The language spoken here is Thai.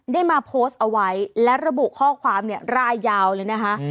ได้มาโพสต์เอาไว้และระบุข้อความเนี่ยรายยาวเลยนะคะ